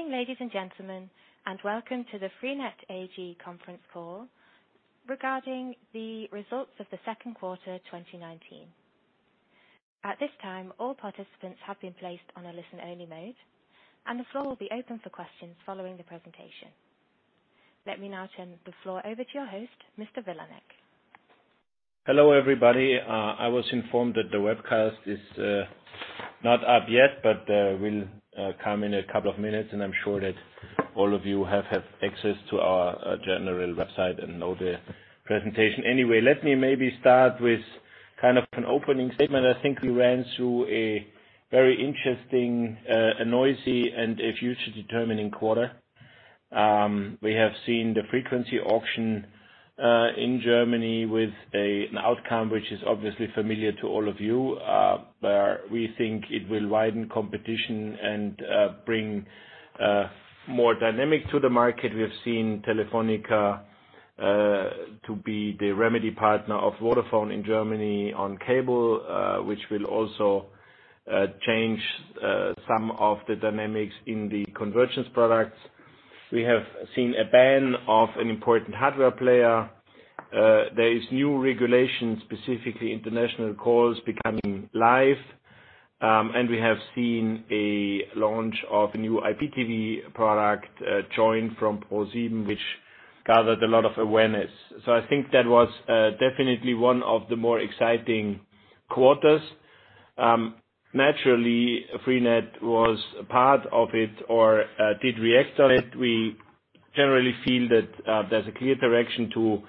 Good morning, ladies and gentlemen, and welcome to the freenet AG conference call regarding the results of the second quarter 2019. At this time, all participants have been placed on a listen-only mode, and the floor will be open for questions following the presentation. Let me now turn the floor over to your host, Mr. Vilanek. Hello, everybody. I was informed that the webcast is not up yet, but will come in a couple of minutes, and I'm sure that all of you have had access to our general website and know the presentation anyway. Let me maybe start with an opening statement. I think we ran through a very interesting, a noisy, and a future determining quarter. We have seen the frequency auction in Germany with an outcome, which is obviously familiar to all of you. We think it will widen competition and bring more dynamic to the market. We have seen Telefónica to be the remedy partner of Vodafone in Germany on cable, which will also change some of the dynamics in the convergence products. We have seen a ban of an important hardware player. There is new regulation, specifically international calls becoming live. We have seen a launch of a new IPTV product Joyn from ProSieben, which gathered a lot of awareness. I think that was definitely one of the more exciting quarters. Naturally, freenet was a part of it or did react on it. We generally feel that there's a clear direction to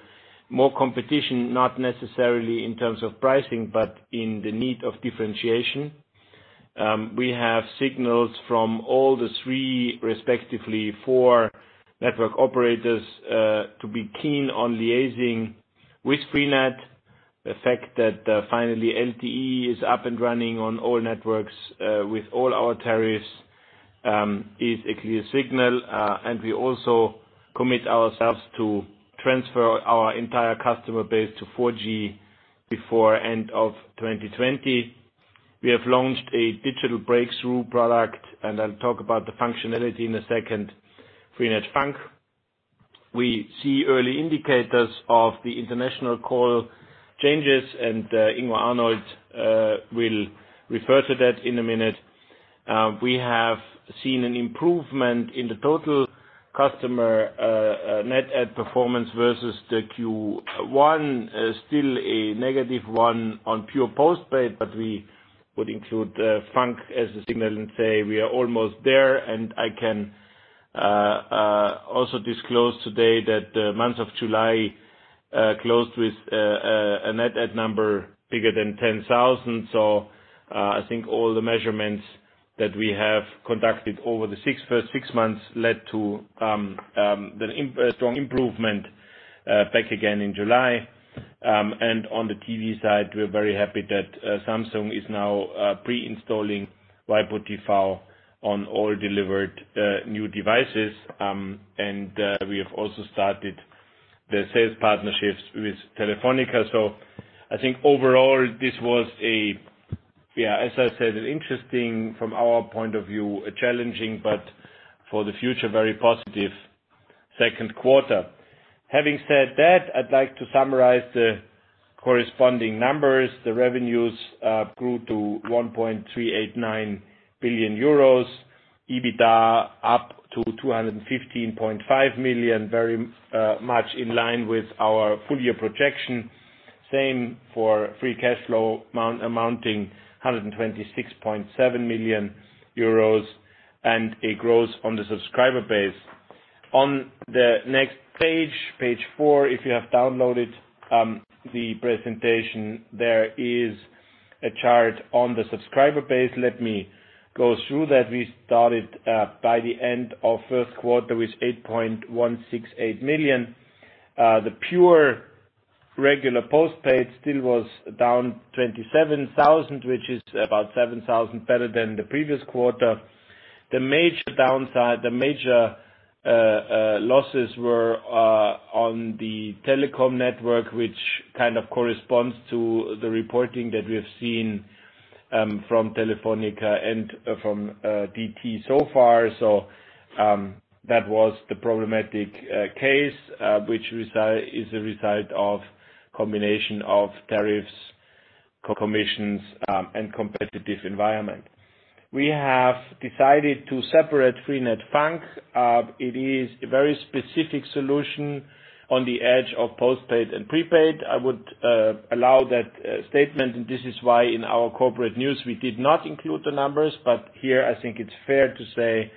more competition, not necessarily in terms of pricing, but in the need of differentiation. We have signals from all the three, respectively four network operators, to be keen on liaising with freenet. The fact that finally LTE is up and running on all networks with all our tariffs is a clear signal. We also commit ourselves to transfer our entire customer base to 4G before end of 2020. We have launched a digital breakthrough product, and I'll talk about the functionality in a second, freenet FUNK. We see early indicators of the international call changes, and Ingo Arnold will refer to that in a minute. We have seen an improvement in the total customer net add performance versus the Q1, still a negative one on pure postpaid, but we would include FUNK as a signal and say we are almost there. I can also disclose today that the month of July closed with a net add number bigger than 10,000. I think all the measurements that we have conducted over the first six months led to a strong improvement back again in July. On the TV side, we're very happy that Samsung is now pre-installing waipu.tv on all delivered new devices. We have also started the sales partnerships with Telefónica. I think overall, this was a, as I said, interesting from our point of view, challenging, but for the future, very positive second quarter. Having said that, I'd like to summarize the corresponding numbers. The revenues grew to 1.389 billion euros, EBITDA up to 215.5 million, very much in line with our full-year projection. Same for free cash flow amounting 126.7 million euros and a growth on the subscriber base. On the next page, page four, if you have downloaded the presentation, there is a chart on the subscriber base. Let me go through that. We started by the end of first quarter with 8.168 million. The pure regular postpaid still was down 27,000, which is about 7,000 better than the previous quarter. The major losses were on the telecom network, which corresponds to the reporting that we have seen from Telefónica and from DT so far. That was the problematic case, which is a result of combination of tariffs, commissions, and competitive environment. We have decided to separate freenet FUNK. It is a very specific solution on the edge of postpaid and prepaid. I would allow that statement, and this is why in our corporate news, we did not include the numbers. Here, I think it's fair to say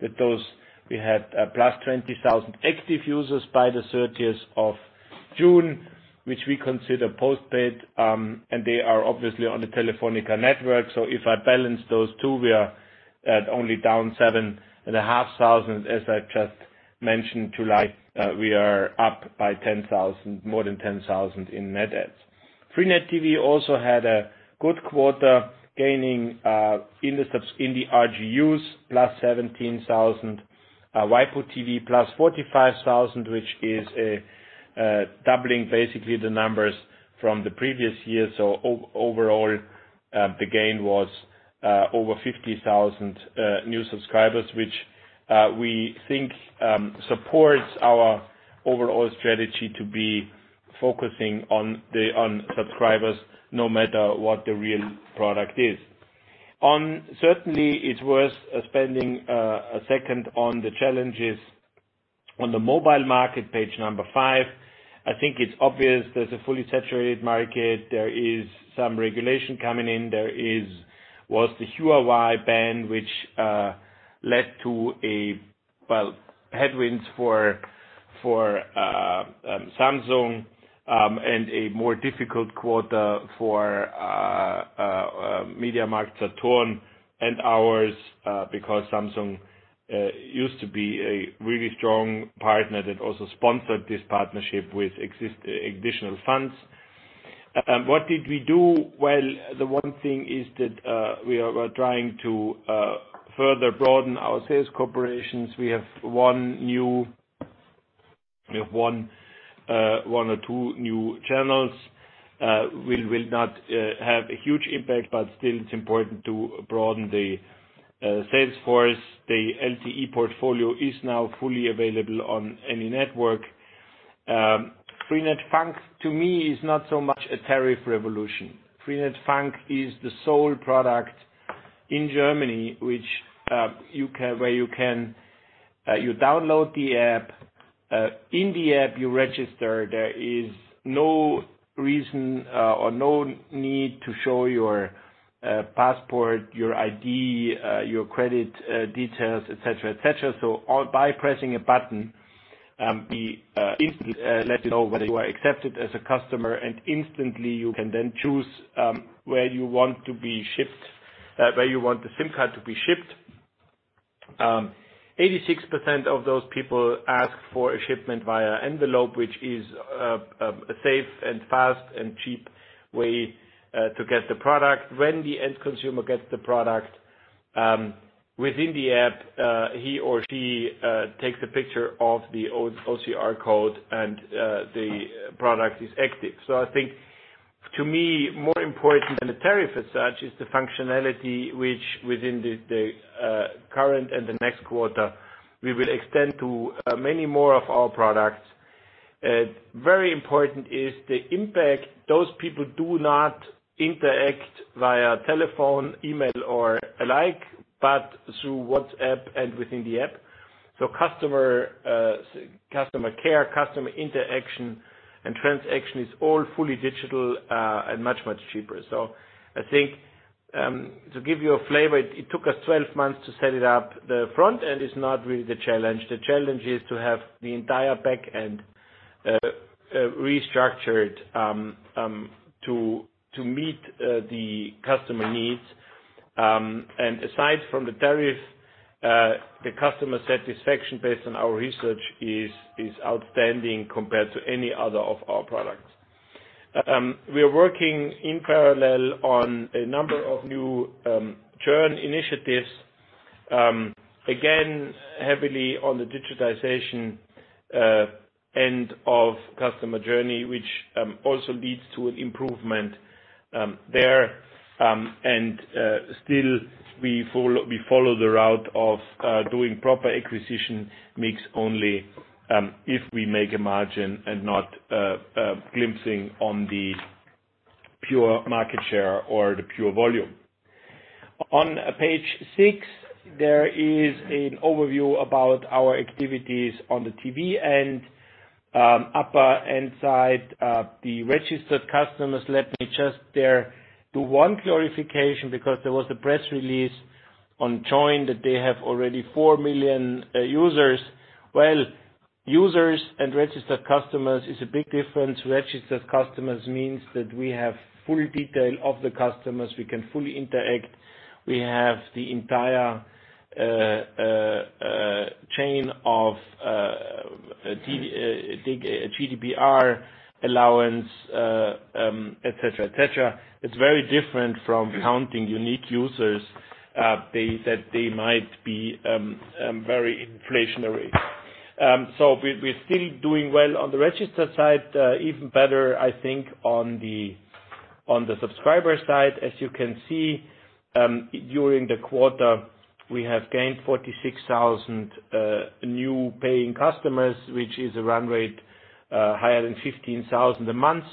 that those we had +20,000 active users by the 30th of June, which we consider postpaid, and they are obviously on the Telefónica network. If I balance those two, we are at only down 7,500. As I just mentioned, July, we are up by more than 10,000 in net adds. freenet TV also had a good quarter gaining in the RGUs, +17,000. Our waipu.tv +45,000, which is doubling basically the numbers from the previous year. Overall, the gain was over 50,000 new subscribers, which we think supports our overall strategy to be focusing on subscribers, no matter what the real product is. Certainly, it's worth spending a second on the challenges on the mobile market, page number five. I think it's obvious there's a fully saturated market. There is some regulation coming in. There was the Huawei ban, which led to headwinds for Samsung, and a more difficult quarter for MediaMarktSaturn and ours, because Samsung used to be a really strong partner that also sponsored this partnership with additional funds. What did we do? Well, the one thing is that we are trying to further broaden our sales corporations. We have one or two new channels, will not have a huge impact, but still it's important to broaden the sales force. The LTE portfolio is now fully available on any network. freenet FUNK, to me, is not so much a tariff revolution. freenet FUNK is the sole product in Germany, where you download the app. In the app you register. There is no reason or no need to show your passport, your ID, your credit details, et cetera. By pressing a button, we instantly let you know whether you are accepted as a customer, and instantly you can then choose where you want the SIM card to be shipped. 86% of those people ask for a shipment via envelope, which is a safe and fast and cheap way to get the product. When the end consumer gets the product, within the app, he or she takes a picture of the OCR code and the product is active. I think, to me, more important than the tariff as such is the functionality which within the current and the next quarter we will extend to many more of our products. Very important is the impact. Those people do not interact via telephone, email or alike, but through WhatsApp and within the app. Customer care, customer interaction, and transaction is all fully digital, and much, much cheaper. I think, to give you a flavor, it took us 12 months to set it up. The front end is not really the challenge. The challenge is to have the entire back end restructured to meet the customer needs. Aside from the tariff, the customer satisfaction, based on our research, is outstanding compared to any other of our products. We are working in parallel on a number of new churn initiatives. Again, heavily on the digitization end of customer journey, which also leads to an improvement there. Still we follow the route of doing proper acquisition mix only if we make a margin and not glimpsing on the pure market share or the pure volume. On page six, there is an overview about our activities on the TV end. Upper end side the registered customers. Let me just there do one clarification, because there was a press release on Joyn that they have already 4 million users. Users and registered customers is a big difference. Registered customers means that we have full detail of the customers. We can fully interact. We have the entire chain of GDPR allowance, et cetera. It's very different from counting unique users, that they might be very inflationary. We're still doing well on the registered side. Even better, I think, on the subscriber side. As you can see, during the quarter, we have gained 46,000 new paying customers, which is a run rate higher than 15,000 a month.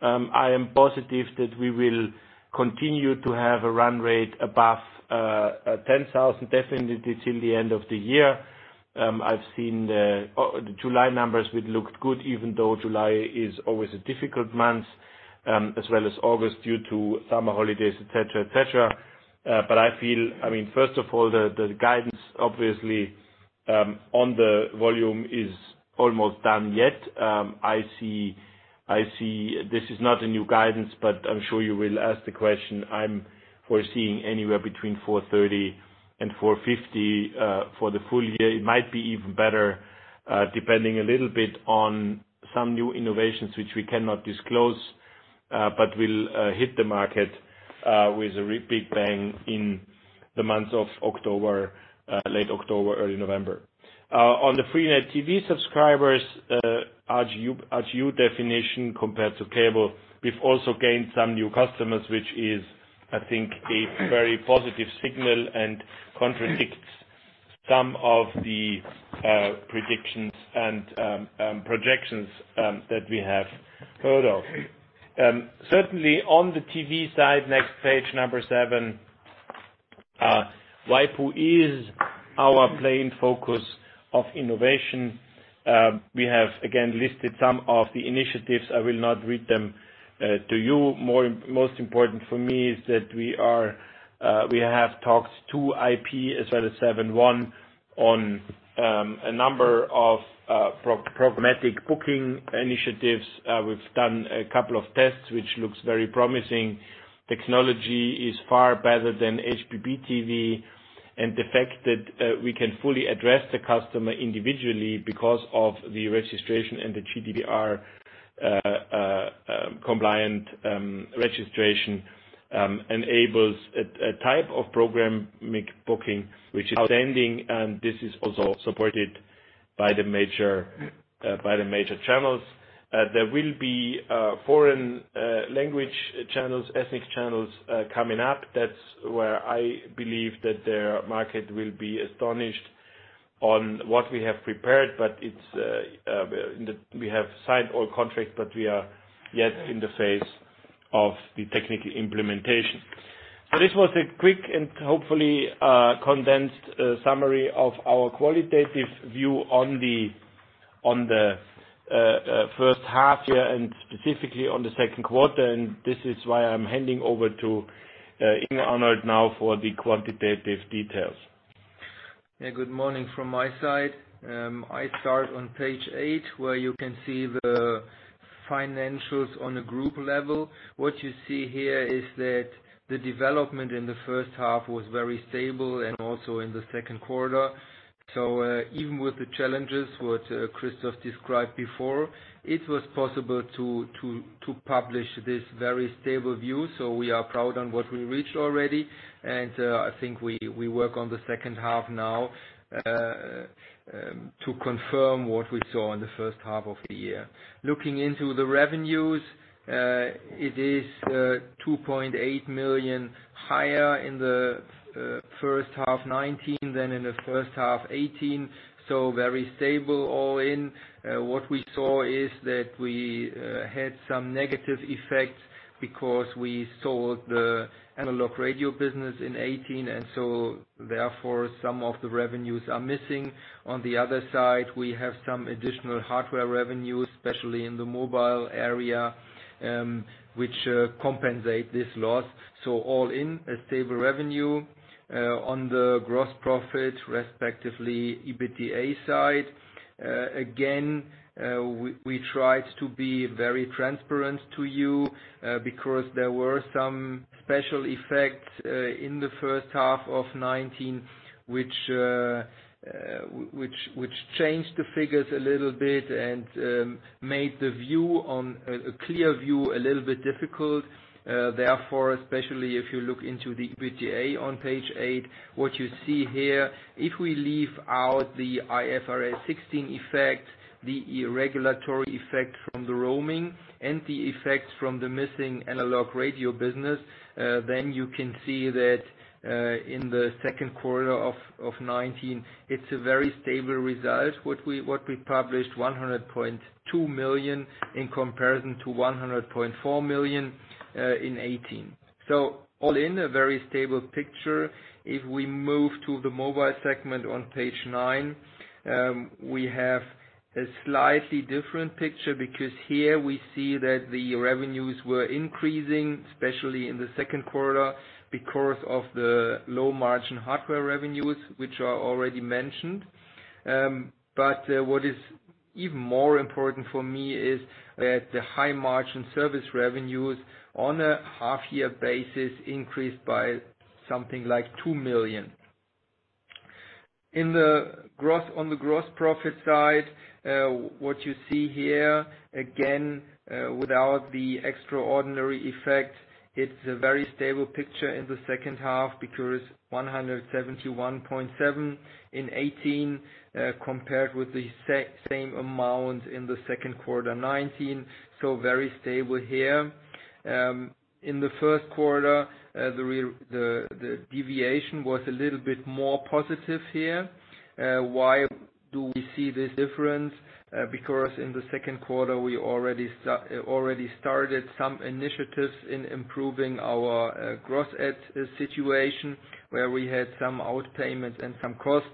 I am positive that we will continue to have a run rate above 10,000 definitely till the end of the year. I've seen the July numbers, which looked good, even though July is always a difficult month, as well as August due to summer holidays, et cetera. I feel, first of all, the guidance, obviously, on the volume is almost done yet. This is not a new guidance, but I'm sure you will ask the question. I'm foreseeing anywhere between 430 million and 450 million for the full year. It might be even better, depending a little bit on some new innovations which we cannot disclose. We'll hit the market with a big bang in the months of October, late October, early November. On the freenet TV subscribers, RGU definition compared to cable, we've also gained some new customers, which is, I think, a very positive signal and contradicts some of the predictions and projections that we have heard of. Certainly, on the TV side, next page number seven, waipu is our plain focus of innovation. We have again listed some of the initiatives. I will not read them to you. Most important for me is that we have talks, two IP instead of seven, one on a number of programmatic booking initiatives. We've done a couple of tests, which looks very promising. Technology is far better than HbbTV, and the fact that we can fully address the customer individually because of the registration and the GDPR compliant registration enables a type of program booking, which is outstanding, and this is also supported by the major channels. There will be foreign language channels, ethnic channels, coming up. That's where I believe that the market will be astonished on what we have prepared. We have signed all contracts, but we are yet in the phase of the technical implementation. This was a quick and hopefully condensed summary of our qualitative view on the first half year and specifically on the second quarter, and this is why I'm handing over to Ingo Arnold now for the quantitative details. Yeah. Good morning from my side. I start on page eight, where you can see the financials on a group level. What you see here is that the development in the first half was very stable and also in the second quarter. Even with the challenges, what Christoph described before, it was possible to publish this very stable view. We are proud on what we reached already, and I think we work on the second half now to confirm what we saw in the first half of the year. Looking into the revenues, it is 2.8 million higher in the first half 2019 than in the first half 2018, so very stable all in. What we saw is that we had some negative effects because we sold the analog radio business in 2018. Therefore, some of the revenues are missing. On the other side, we have some additional hardware revenues, especially in the mobile area, which compensate this loss. All in, a stable revenue. On the gross profit respectively EBITDA side. Again, we tried to be very transparent to you, because there were some special effects in the first half of 2019 which changed the figures a little bit and made the clear view a little bit difficult. Especially if you look into the EBITDA on page eight, what you see here, if we leave out the IFRS 16 effect, the regulatory effect from the roaming, and the effect from the missing analog radio business, then you can see that in the second quarter of 2019, it's a very stable result. What we published, 100.2 million in comparison to 100.4 million in 2018. All in, a very stable picture. If we move to the mobile segment on page nine, we have a slightly different picture because here we see that the revenues were increasing, especially in the second quarter, because of the low margin hardware revenues, which are already mentioned. What is even more important for me is that the high margin service revenues on a half year basis increased by something like 2 million. On the gross profit side, what you see here, again, without the extraordinary effect, it's a very stable picture in the second half because 171.7 in 2018, compared with the same amount in the second quarter 2019. Very stable here. In the first quarter, the deviation was a little bit more positive here. Why do we see this difference? In the second quarter, we already started some initiatives in improving our gross add situation, where we had some out-payment and some costs.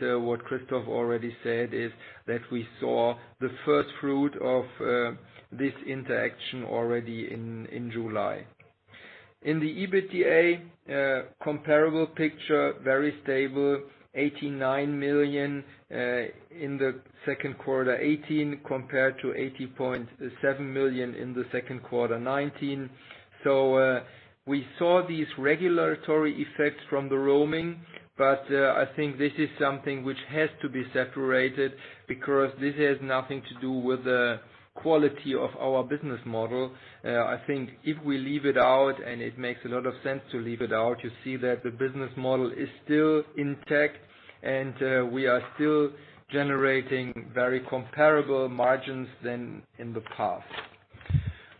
What Christoph already said is that we saw the first fruit of this interaction already in July. In the EBITDA comparable picture, very stable, 89 million in the second quarter 2018 compared to 80.7 million in the second quarter 2019. We saw these regulatory effects from the roaming, but I think this is something which has to be separated because this has nothing to do with the quality of our business model. I think if we leave it out, and it makes a lot of sense to leave it out, you see that the business model is still intact and we are still generating very comparable margins than in the past.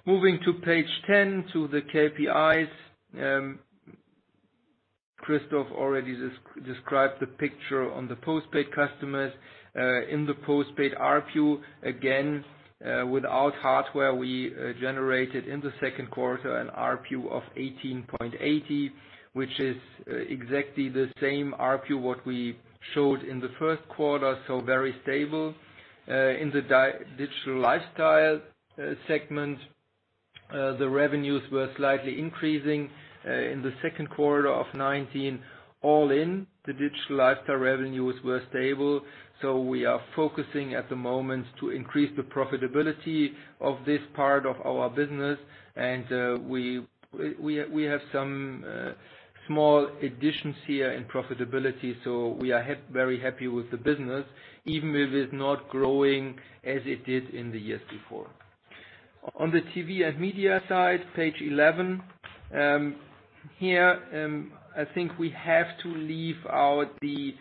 Moving to page 10, to the KPIs. Christoph already described the picture on the postpaid customers. In the postpaid ARPU, again, without hardware, we generated, in the second quarter, an ARPU of 18.80, which is exactly the same ARPU what we showed in the first quarter, very stable. In the digital lifestyle segment, the revenues were slightly increasing. In the second quarter of 2019, all in, the digital lifestyle revenues were stable. We are focusing at the moment to increase the profitability of this part of our business. We have some small additions here in profitability. We are very happy with the business, even if it's not growing as it did in the years before. On the TV and Media side, page 11. Here, I think we have to leave out the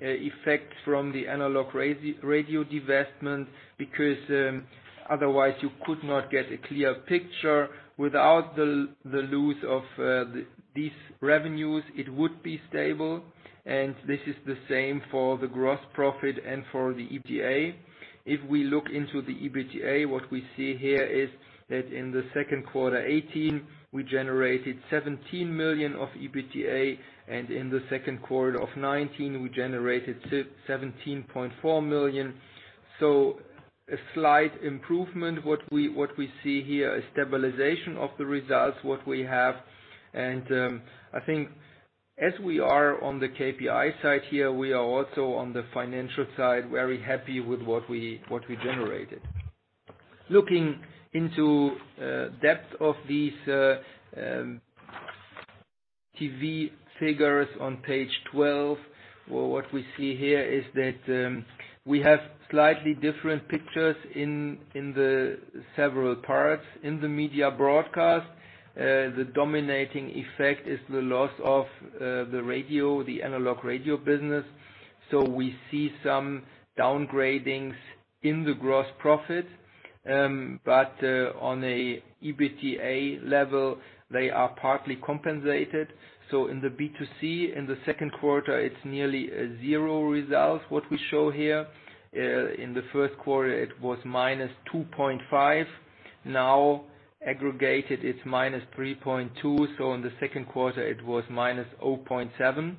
effect from the analog radio divestment, because otherwise you could not get a clear picture. Without the loss of these revenues, it would be stable. This is the same for the gross profit and for the EBITDA. If we look into the EBITDA, what we see here is that in the second quarter 2018, we generated 17 million of EBITDA, and in the second quarter of 2019, we generated 17.4 million. A slight improvement. What we see here, a stabilization of the results, what we have. I think as we are on the KPI side here, we are also on the financial side, very happy with what we generated. Looking into depth of these TV figures on page 12. What we see here is that we have slightly different pictures in the several parts. In the Media Broadcast, the dominating effect is the loss of the radio, the analog radio business. We see some downgradings in the gross profit. On an EBITDA level, they are partly compensated. In the B2C, in the second quarter, it's nearly a zero result what we show here. In the first quarter, it was -2.5 million. Now, aggregated, it's -3.2 million, so the second quarter it was -0.7 million.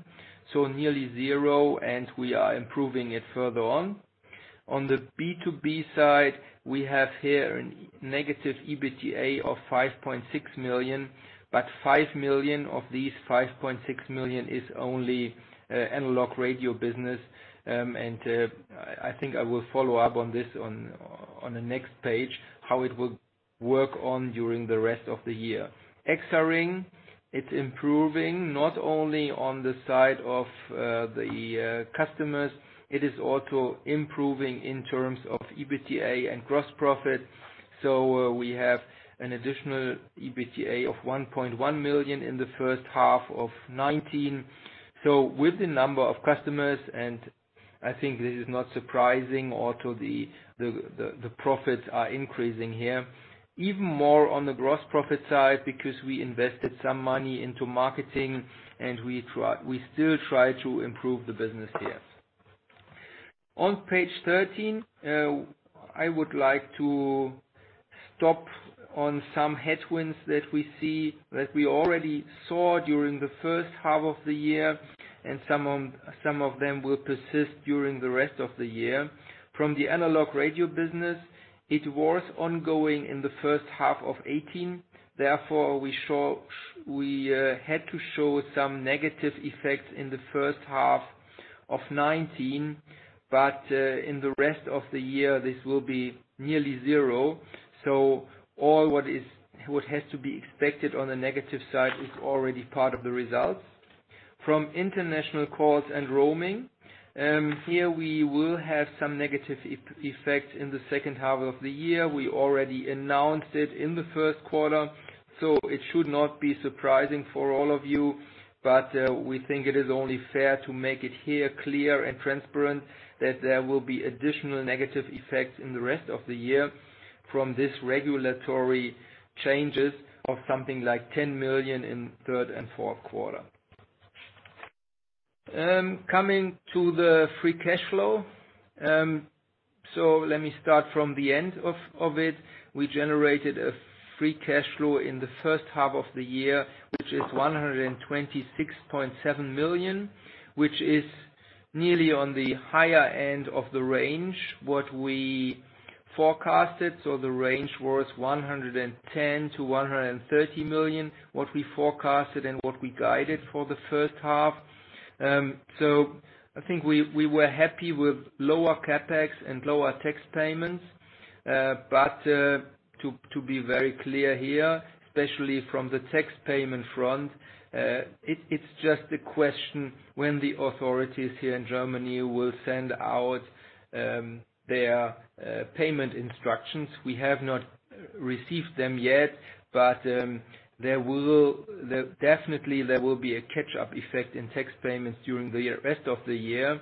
Nearly zero, and we are improving it further on. On the B2B side, we have here a negative EBITDA of 5.6 million, but 5 million of these 5.6 million is only analog radio business. I think I will follow up on this on the next page, how it will work on during the rest of the year. EXARING, it's improving not only on the side of the customers, it is also improving in terms of EBITDA and gross profit. We have an additional EBITDA of 1.1 million in the first half of 2019. With the number of customers, I think this is not surprising, also the profits are increasing here. Even more on the gross profit side, because we invested some money into marketing, we still try to improve the business here. On page 13, I would like to stop on some headwinds that we see, that we already saw during the first half of the year, some of them will persist during the rest of the year. The analog radio business, it was ongoing in the first half of 2018. Therefore, we had to show some negative effects in the first half of 2019. In the rest of the year, this will be nearly zero. All what has to be expected on the negative side is already part of the results. From international calls and roaming. Here we will have some negative effects in the second half of the year. We already announced it in the first quarter, so it should not be surprising for all of you, but we think it is only fair to make it here clear and transparent that there will be additional negative effects in the rest of the year from this regulatory changes of something like 10 million in third and fourth quarter. Coming to the free cash flow. Let me start from the end of it. We generated a free cash flow in the first half of the year, which is 126.7 million, which is nearly on the higher end of the range what we forecasted. The range was 110 million-130 million, what we forecasted and what we guided for the first half. I think we were happy with lower CapEx and lower tax payments. To be very clear here, especially from the tax payment front, it's just a question when the authorities here in Germany will send out their payment instructions. We have not received them yet, but definitely there will be a catch-up effect in tax payments during the rest of the year.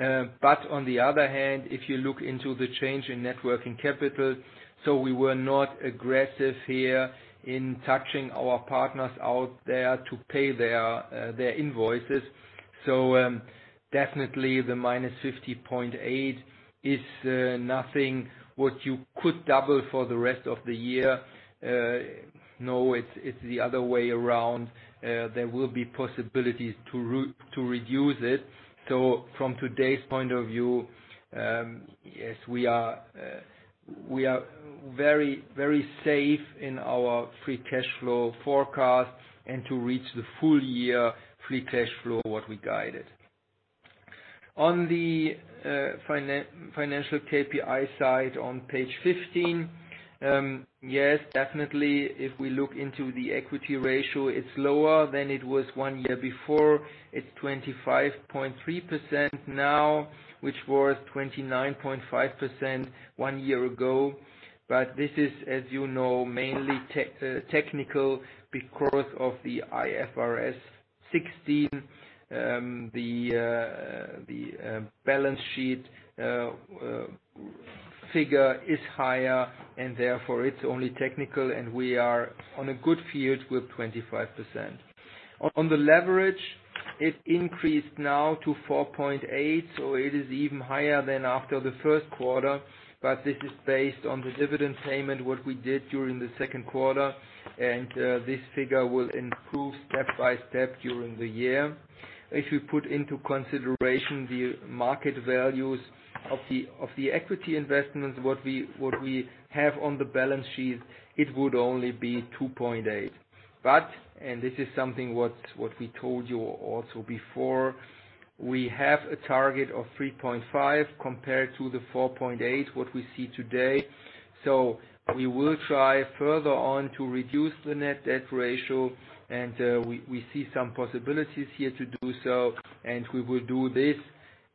On the other hand, if you look into the change in net working capital, so we were not aggressive here in touching our partners out there to pay their invoices. Definitely the -50.8 million is nothing what you could double for the rest of the year. No, it's the other way around. There will be possibilities to reduce it. From today's point of view, yes, we are very safe in our free cash flow forecast and to reach the full year free cash flow, what we guided. On the financial KPI side on page 15. Yes, definitely, if we look into the equity ratio, it's lower than it was one year before. It's 25.3% now, which was 29.5% one year ago. This is, as you know, mainly technical because of the IFRS 16. The balance sheet figure is higher and therefore it's only technical, and we are on a good field with 25%. On the leverage, it increased now to 4.8x, so it is even higher than after the first quarter, but this is based on the dividend payment, what we did during the second quarter. This figure will improve step by step during the year. If you put into consideration the market values of the equity investments, what we have on the balance sheet, it would only be 2.8x. This is something what we told you also before, we have a target of 3.5x compared to the 4.8x, what we see today. We will try further on to reduce the net debt ratio, and we see some possibilities here to do so, and we will do this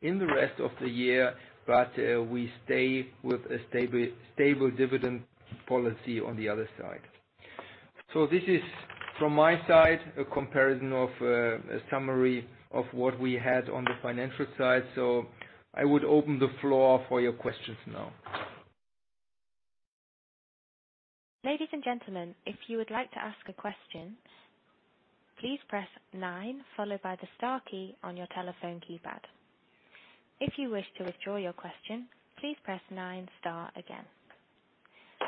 in the rest of the year, but we stay with a stable dividend policy on the other side. This is from my side, a comparison of a summary of what we had on the financial side. I would open the floor for your questions now. Ladies and gentlemen, if you would like to ask a question, please press nine followed by the star key on your telephone keypad. If you wish to withdraw your question, please press nine star again.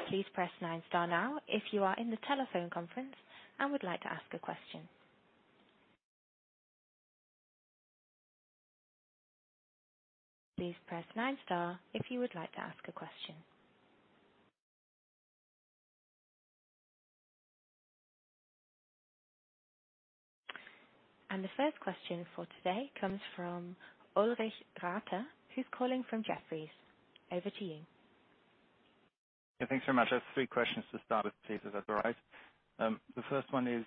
Please press nine star now if you are in the telephone conference and would like to ask a question. Please press nine star if you would like to ask a question. The first question for today comes from Ulrich Rathe, who's calling from Jefferies. Over to you. Yeah, thanks very much. I have three questions to start with, please. Is that all right? The first one is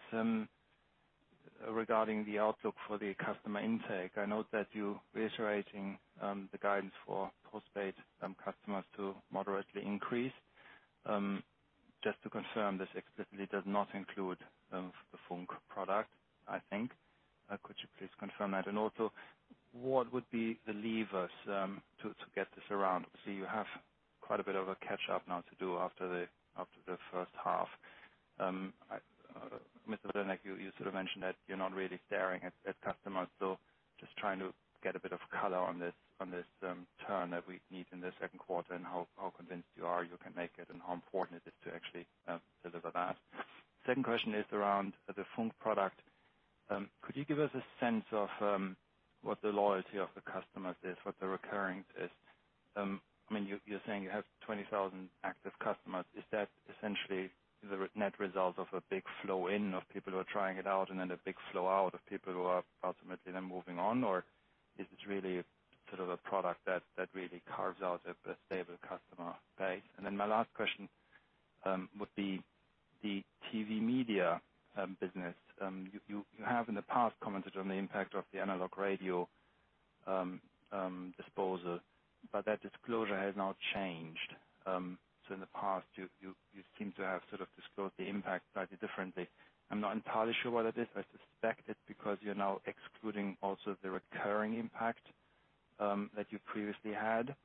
regarding the outlook for the customer intake. I note that you're reiterating the guidance for postpaid customers to moderately increase. Just to confirm this explicitly does not include the FUNK product, I think. Could you please confirm that? Also, what would be the levers to get this around? You have quite a bit of a catch-up now to do after the first half. Mr. Vilanek, you sort of mentioned that you're not really staring at customers. Just trying to get a bit of color on this turn that we need in the second quarter and how convinced you are you can make it and how important it is to actually deliver that. Second question is around the FUNK product. Could you give us a sense of what the loyalty of the customers is, what the recurring is? You're saying you have 20,000 active customers. Is that essentially the net result of a big flow in of people who are trying it out and then a big flow out of people who are ultimately then moving on? Is it really sort of a product that really carves out a stable customer base? My last question, would be the TV media business. You have in the past commented on the impact of the analog radio disposal, but that disclosure has now changed. In the past, you seem to have sort of disclosed the impact slightly differently. I'm not entirely sure why that is. I suspect it's because you're now excluding also the recurring impact that you previously had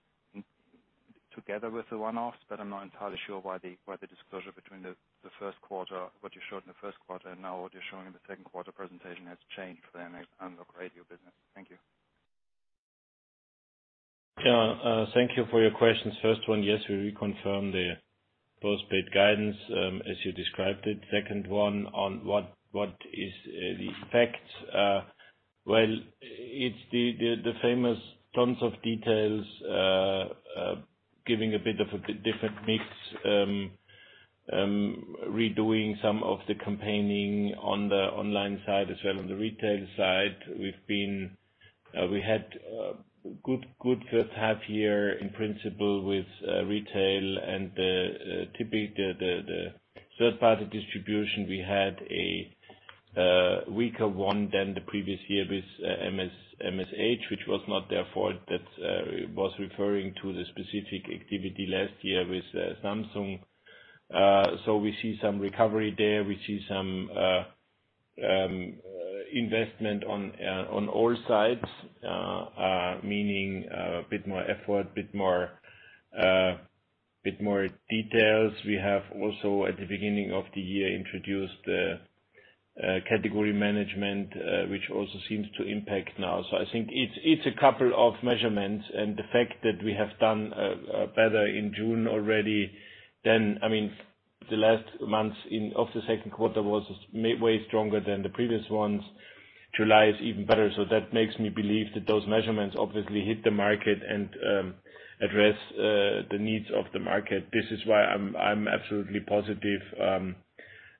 together with the one-offs, but I'm not entirely sure why the disclosure between what you showed in the first quarter and now what you're showing in the second quarter presentation has changed for the analog radio business. Thank you. Thank you for your questions. First one, yes, we reconfirm the postpaid guidance, as you described it. Second one on what is the effect. It's the famous tons of details, giving a bit of a different mix, redoing some of the campaigning on the online side as well on the retail side. We had a good first half year in principle with retail and typically the third-party distribution, we had a weaker one than the previous year with MSH, which was not their fault. That was referring to the specific activity last year with Samsung. We see some recovery there. We see some investment on all sides. Meaning a bit more effort, a bit more details. We have also, at the beginning of the year, introduced category management, which also seems to impact now. I think it's a couple of measurements, and the fact that we have done better in June already than the last months of the second quarter was way stronger than the previous ones. July is even better. That makes me believe that those measurements obviously hit the market and address the needs of the market. This is why I'm absolutely positive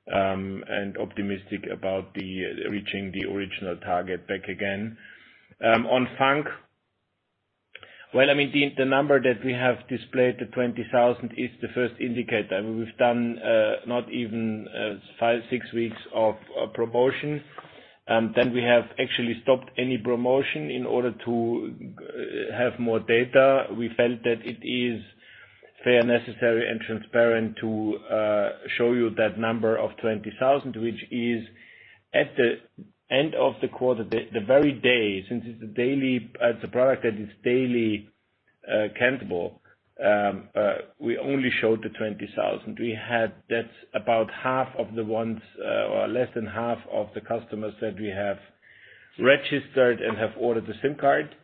and optimistic about reaching the original target back again. On FUNK, the number that we have displayed, the 20,000, is the first indicator. We've done not even five, six weeks of promotion. We have actually stopped any promotion in order to have more data. We felt that it is fair, necessary, and transparent to show you that number of 20,000, which is at the end of the quarter, the very day, since it's a product that is daily countable. We only showed the 20,000. That's about half of the ones, or less than half of the customers that we have registered and have ordered the SIM card.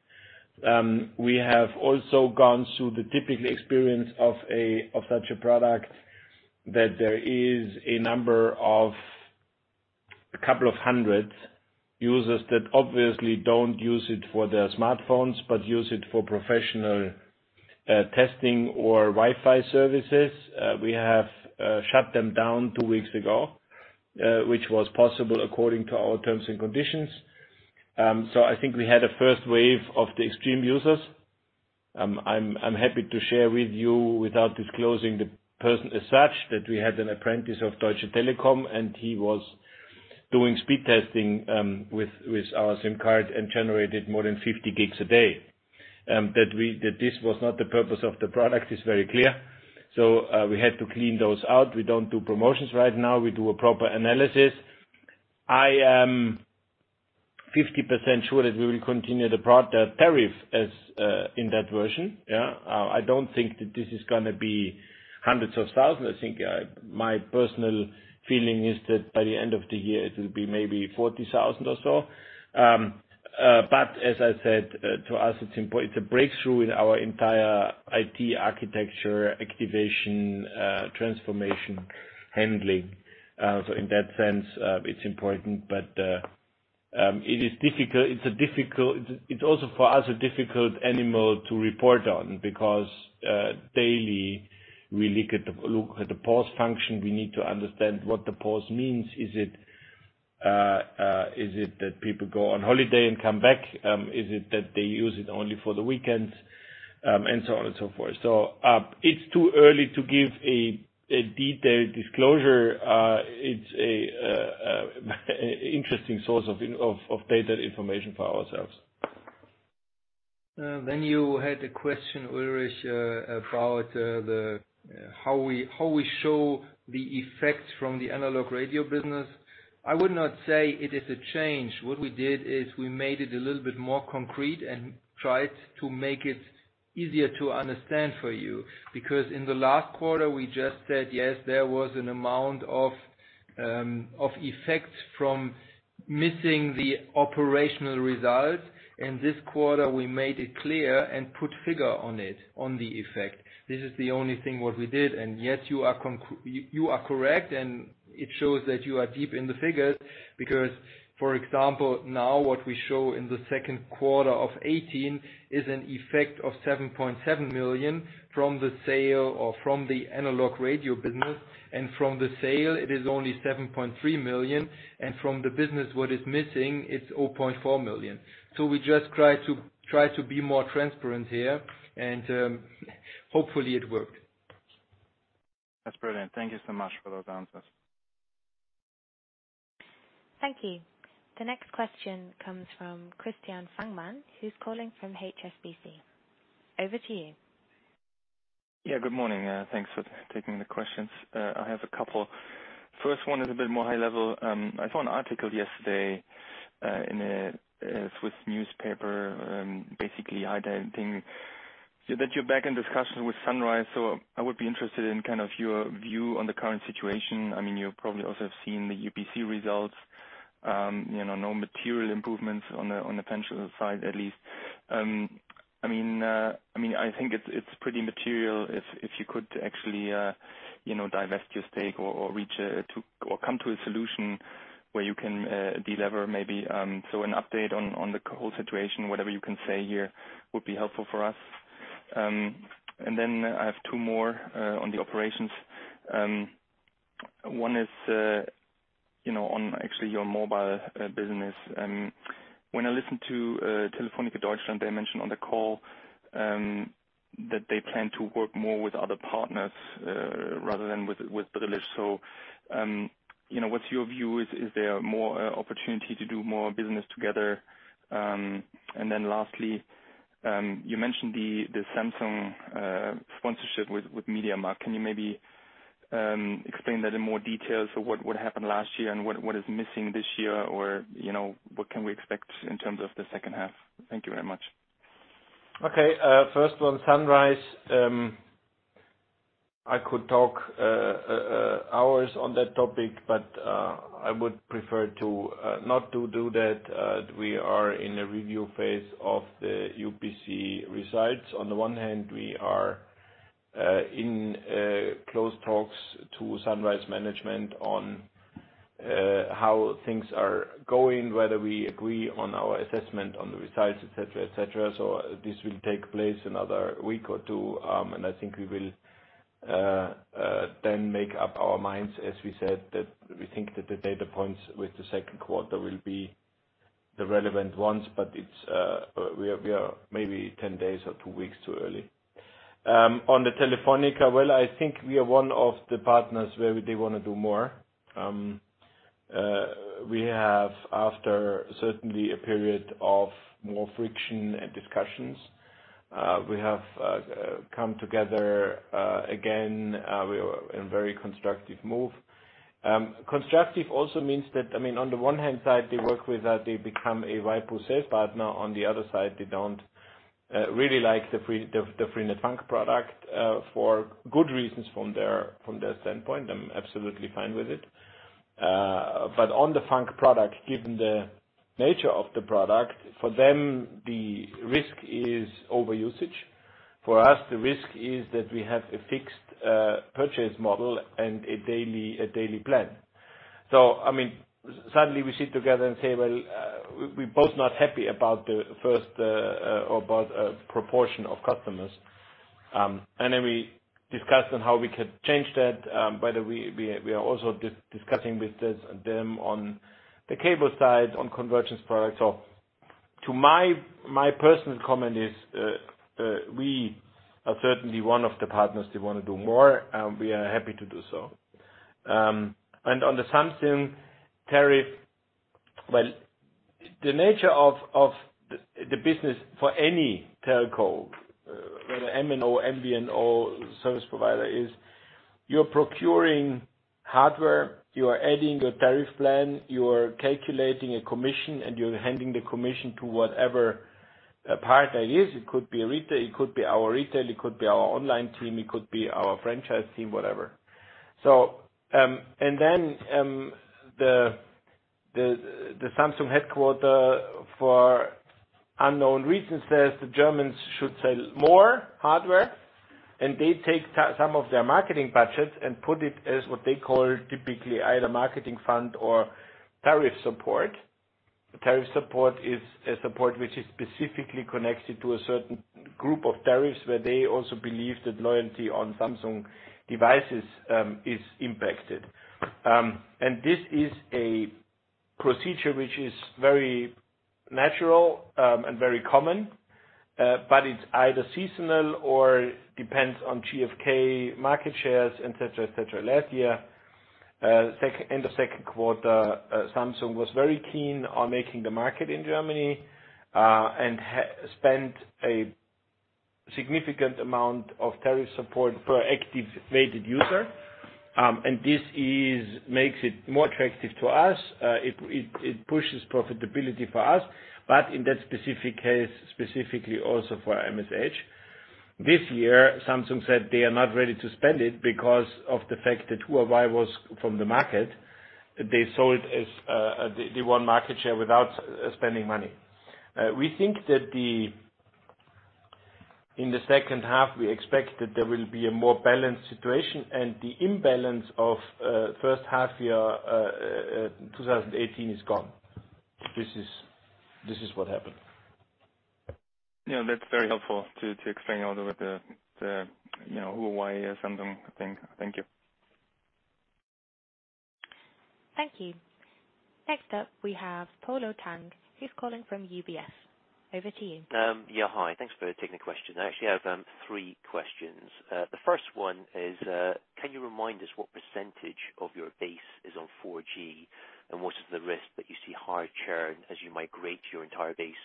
We have also gone through the typical experience of such a product, that there is a number of a couple of hundred users that obviously don't use it for their smartphones, but use it for professional testing or Wi-Fi services. We have shut them down two weeks ago, which was possible according to our terms and conditions. I think we had a first wave of the extreme users. I'm happy to share with you, without disclosing the person as such, that we had an apprentice of Deutsche Telekom. He was doing speed testing with our SIM card and generated more than 50 Gb a day. That this was not the purpose of the product is very clear. We had to clean those out. We don't do promotions right now. We do a proper analysis. I am 50% sure that we will continue the tariff in that version. I don't think that this is going to be hundreds of thousands. I think my personal feeling is that by the end of the year, it will be maybe 40,000 or so. As I said, to us, it's a breakthrough in our entire IT architecture, activation, transformation, handling. In that sense, it's important. It's also, for us, a difficult animal to report on because, daily, we look at the pause function. We need to understand what the pause means. Is it that people go on holiday and come back? Is it that they use it only for the weekends and so on and so forth? It's too early to give a detailed disclosure. It's an interesting source of data information for ourselves. You had a question, Ulrich, about how we show the effects from the analog radio business. I would not say it is a change. What we did is we made it a little bit more concrete and tried to make it easier to understand for you. Because in the last quarter, we just said, yes, there was an amount of effects from missing the operational results. In this quarter, we made it clear and put figure on it, on the effect. This is the only thing what we did. Yes, you are correct, and it shows that you are deep in the figures because, for example, now what we show in the second quarter of 2018 is an effect of 7.7 million from the sale or from the analog radio business. From the sale, it is only 7.3 million. From the business, what is missing, it's 0.4 million. We just try to be more transparent here and hopefully it worked. That's brilliant. Thank you so much for those answers. Thank you. The next question comes from Christian Fangmann, who's calling from HSBC. Over to you. Good morning. Thanks for taking the questions. I have a couple. First one is a bit more high level. I saw an article yesterday in a Swiss newspaper, basically highlighting that you are back in discussions with Sunrise. I would be interested in your view on the current situation. You probably also have seen the UPC results. No material improvements on the pension side, at least. I think it is pretty material if you could actually divest your stake or come to a solution where you can delever, maybe. An update on the whole situation, whatever you can say here, would be helpful for us. I have two more on the operations. One is on actually your mobile business. When I listened to Telefónica Deutschland, they mentioned on the call that they plan to work more with other partners rather than with Drillisch. What is your view? Is there more opportunity to do more business together? Lastly, you mentioned the Samsung sponsorship with MediaMarkt. Can you maybe explain that in more detail? What happened last year and what is missing this year, or what can we expect in terms of the second half? Thank you very much. Okay. First one, Sunrise. I could talk hours on that topic, but I would prefer to not to do that. We are in a review phase of the UPC results. On the one hand, we are in close talks to Sunrise management on how things are going, whether we agree on our assessment on the results, et cetera. This will take place another week or two, and I think we will then make up our minds, as we said that we think that the data points with the second quarter will be the relevant ones, but we are maybe 10 days or two weeks too early. On the Telefónica, well, I think we are one of the partners where they want to do more. We have, after certainly a period of more friction and discussions, we have come together again, in very constructive move. Constructive also means that, on the one hand side, they work with us, they become a waipu sales partner. On the other side, they don't really like the freenet FUNK product for good reasons from their standpoint. I'm absolutely fine with it. On the FUNK product, given the nature of the product, for them, the risk is overusage. For us, the risk is that we have a fixed purchase model and a daily plan. Suddenly we sit together and say, "Well, we both not happy about the first or about proportion of customers." We discussed on how we could change that. By the way, we are also discussing with them on the cable side, on convergence products. My personal comment is, we are certainly one of the partners they want to do more, and we are happy to do so. On the Samsung tariff. The nature of the business for any telco, whether MNO, MVNO service provider, is you're procuring hardware, you are adding a tariff plan, you are calculating a commission, and you're handing the commission to whatever partner it is. It could be a retail, it could be our retail, it could be our online team, it could be our franchise team, whatever. The Samsung headquarter, for unknown reasons, says the Germans should sell more hardware, and they take some of their marketing budget and put it as what they call typically either marketing fund or tariff support. Tariff support is a support which is specifically connected to a certain group of tariffs where they also believe that loyalty on Samsung devices is impacted. This is a procedure which is very natural, and very common, but it's either seasonal or depends on GfK market shares, et cetera. Last year, end of second quarter, Samsung was very keen on making the market in Germany, and spent a significant amount of tariff support per activated user. This makes it more attractive to us. It pushes profitability for us. In that specific case, specifically also for MSH. This year, Samsung said they are not ready to spend it because of the fact that Huawei was from the market. They won market share without spending money. We think that in the second half, we expect that there will be a more balanced situation, and the imbalance of first half year 2018 is gone. This is what happened. Yeah, that's very helpful to explain all about the Huawei Samsung thing. Thank you. Thank you. Next up, we have Polo Tang, who's calling from UBS. Over to you. Yeah. Hi. Thanks for taking the question. I actually have three questions. The first one is, can you remind us what percentage of your base is on 4G, and what is the risk that you see higher churn as you migrate your entire base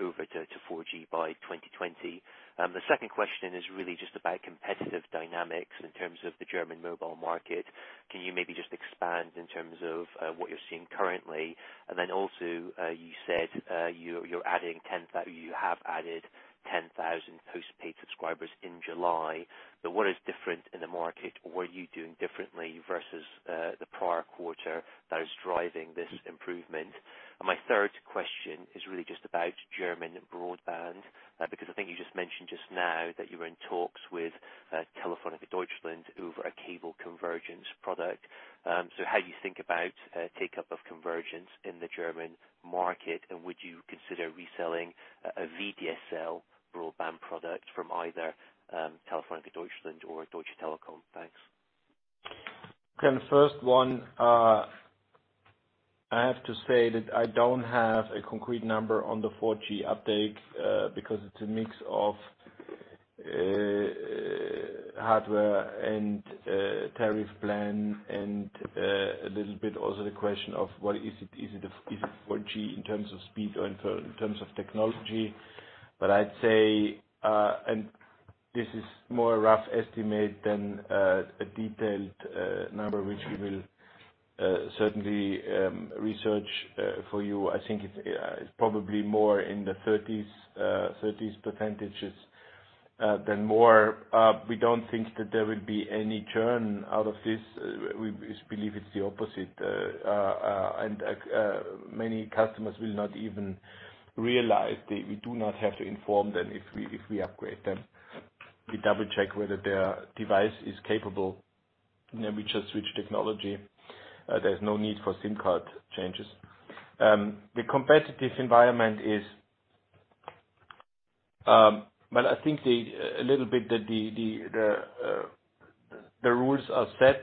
over to 4G by 2020? The second question is really just about competitive dynamics in terms of the German mobile market. Can you maybe just expand in terms of what you're seeing currently? Also, you said you have added 10,000 postpaid subscribers in July. What is different in the market, or were you doing differently versus the prior quarter that is driving this improvement? My third question is really just about German broadband, because I think you just mentioned just now that you're in talks with Telefónica Deutschland over a cable convergence product. How you think about take-up of convergence in the German market, and would you consider reselling a VDSL broadband product from either Telefónica Deutschland or Deutsche Telekom? Thanks. Okay, the first one, I have to say that I don't have a concrete number on the 4G uptake, because it's a mix of hardware and tariff plan and a little bit also the question of what is it? Is it 4G in terms of speed or in terms of technology? I'd say, and this is more a rough estimate than a detailed number, which we will certainly research for you. I think it's probably more in the 30s percentage than more. We don't think that there will be any churn out of this. We believe it's the opposite. Many customers will not even realize. We do not have to inform them if we upgrade them. We double-check whether their device is capable, and then we just switch technology. There's no need for SIM card changes. Well, I think a little bit the rules are set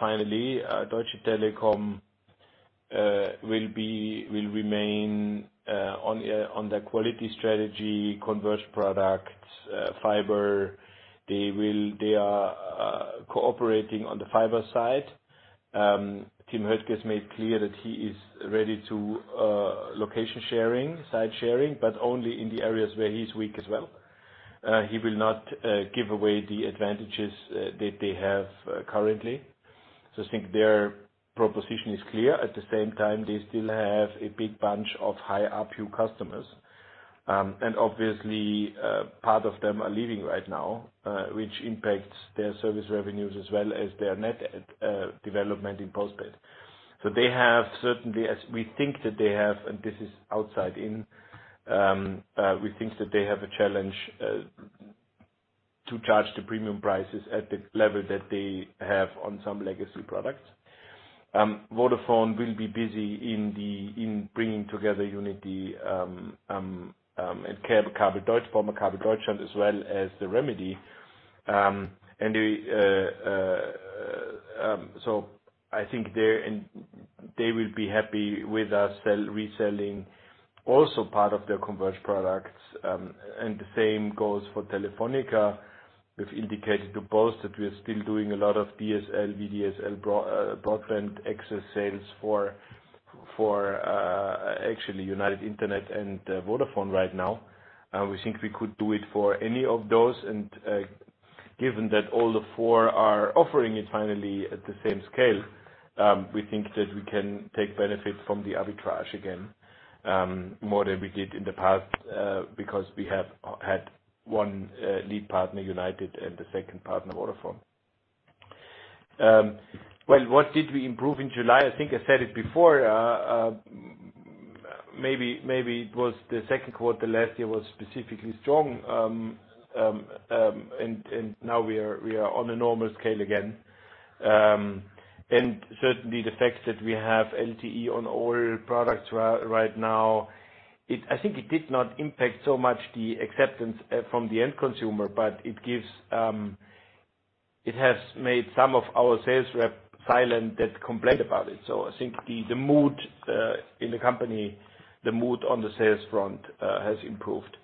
finally. Deutsche Telekom will remain on the quality strategy, converged products, fiber. They are cooperating on the fiber side. Tim Höttges made clear that he is ready to location sharing, side sharing, but only in the areas where he's weak as well. He will not give away the advantages that they have currently. I think their proposition is clear. At the same time, they still have a big bunch of high ARPU customers. Obviously, part of them are leaving right now, which impacts their service revenues as well as their net development in post-paid. They have, certainly, as we think that they have, this is outside in, we think that they have a challenge to charge the premium prices at the level that they have on some legacy products. Vodafone will be busy in bringing together Unitymedia and former Kabel Deutschland, as well as the remedy. I think they will be happy with us reselling also part of their converged products, and the same goes for Telefónica. We've indicated to both that we're still doing a lot of DSL, VDSL, broadband access sales for actually United Internet and Vodafone right now. We think we could do it for any of those. Given that all the four are offering it finally at the same scale, we think that we can take benefit from the arbitrage again, more than we did in the past, because we have had one lead partner, United, and the second partner, Vodafone. Well, what did we improve in July? I think I said it before. Maybe it was the second quarter last year was specifically strong. Now we are on a normal scale again. Certainly, the fact that we have LTE on all products right now, I think it did not impact so much the acceptance from the end consumer, but it has made some of our sales rep silent that complained about it. I think the mood in the company, the mood on the sales front has improved.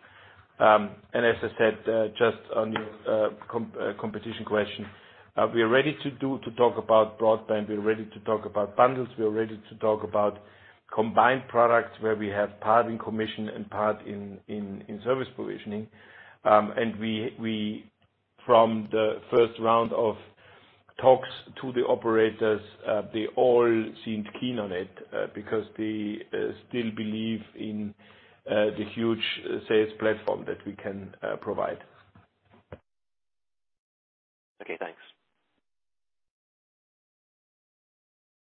As I said, just on your competition question, we are ready to talk about broadband. We're ready to talk about bundles. We are ready to talk about combined products where we have part in commission and part in service provisioning. From the first round of talks to the operators, they all seemed keen on it because they still believe in the huge sales platform that we can provide. Okay, thanks.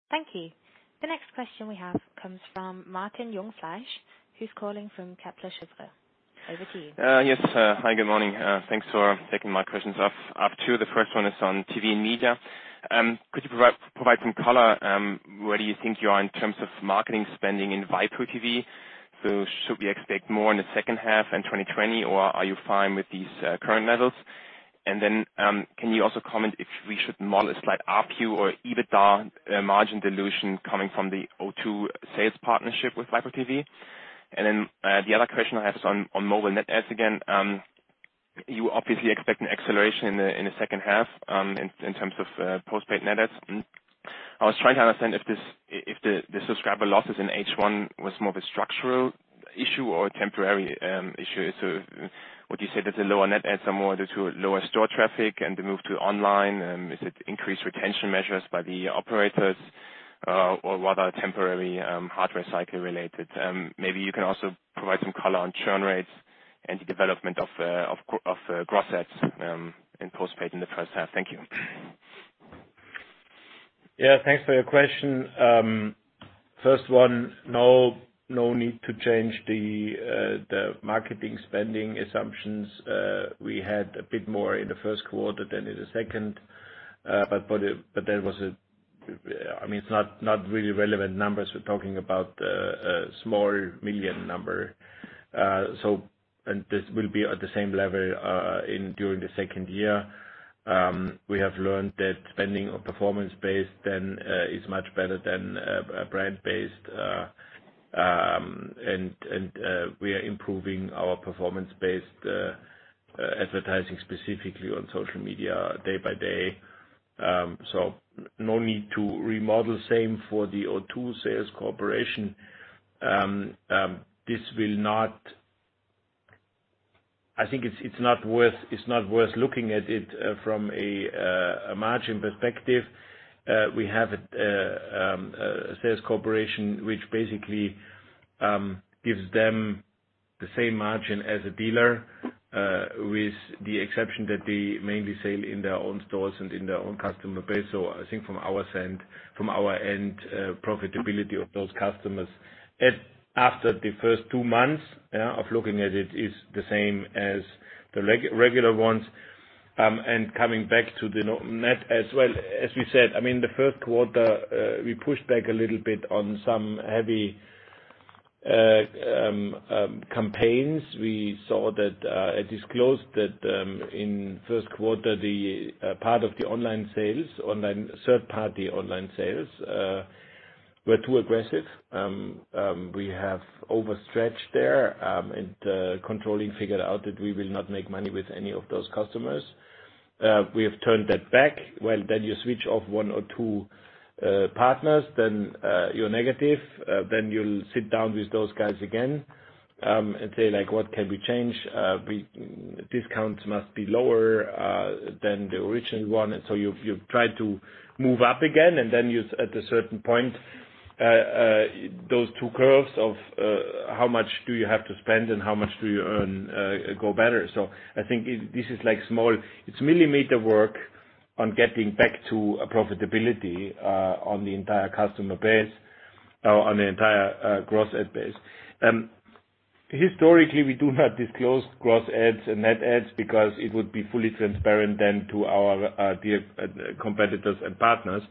Thank you. The next question we have comes from Martin Jungfleisch, who's calling from Kepler Cheuvreux. Over to you. Yes. Hi, good morning. Thanks for taking my questions. I have two. The first one is on TV and media. Could you provide some color, where do you think you are in terms of marketing spending in waipu.tv? Should we expect more in the second half in 2020, or are you fine with these current levels? Can you also comment if we should model a slight ARPU or EBITDA margin dilution coming from the O2 sales partnership with waipu.tv? The other question I have is on mobile net adds again. You obviously expect an acceleration in the second half in terms of post-paid net adds. I was trying to understand if the subscriber losses in H1 was more of a structural issue or a temporary issue. Would you say that the lower net adds are more due to lower store traffic and the move to online? Is it increased retention measures by the operators, or rather temporary hardware cycle related? Maybe you can also provide some color on churn rates and the development of gross adds in post-paid in the first half. Thank you. Thanks for your question. First one, no need to change the marketing spending assumptions. We had a bit more in the first quarter than in the second. I mean, it's not really relevant numbers. We're talking about a small million number. This will be at the same level during the second year. We have learned that spending on performance-based is much better than brand-based. We are improving our performance-based advertising specifically on social media day by day. No need to remodel. Same for the O2 sales corporation. I think it's not worth looking at it from a margin perspective. We have a sales corporation which basically gives them the same margin as a dealer, with the exception that they mainly sell in their own stores and in their own customer base. I think from our end, profitability of those customers, after the first two months of looking at it, is the same as the regular ones. Coming back to the net as well, as we said, the first quarter, we pushed back a little bit on some heavy campaigns. We saw that, as disclosed, that in the first quarter, part of the third-party online sales were too aggressive. We have overstretched there, and controlling figured out that we will not make money with any of those customers. We have turned that back. Well, then you switch off one or two partners, then you're negative. You'll sit down with those guys again, and say, "What can we change?" Discounts must be lower than the original one. You try to move up again, and then at a certain point, those two curves of how much do you have to spend and how much do you earn go better. I think this is small. It's millimeter work on getting back to profitability on the entire gross add base. Historically, we do not disclose gross adds and net adds because it would be fully transparent then to our dear competitors and partners,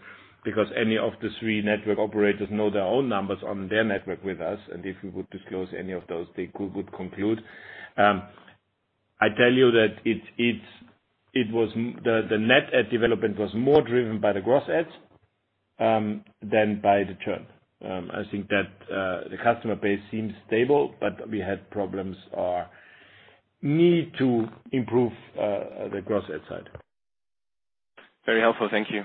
because any of the three network operators know their own numbers on their network with us. If we would disclose any of those, they would conclude. I tell you that the net add development was more driven by the gross adds than by the churn. I think that the customer base seems stable, but we had problems or need to improve the gross add side. Very helpful. Thank you.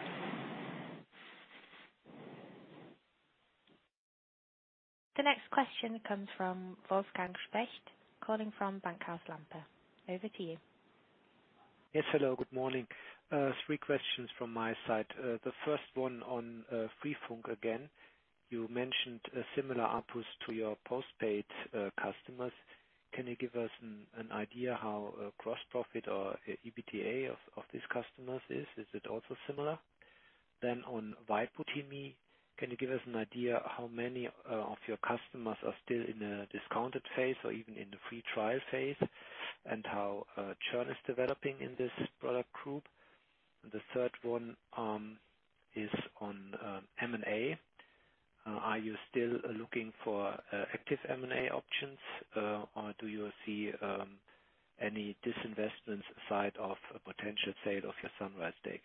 The next question comes from Wolfgang Specht, calling from Bankhaus Lampe. Over to you. Hello. Good morning. Three questions from my side. The first one on freenet FUNK again. You mentioned similar ARPU to your postpaid customers. Can you give us an idea how gross profit or EBITDA of these customers is? Is it also similar? On waipu.tv, can you give us an idea how many of your customers are still in a discounted phase or even in the free trial phase, and how churn is developing in this product group? The third one is on M&A. Are you still looking for active M&A options? Do you see any disinvestment side of a potential sale of your Sunrise stake?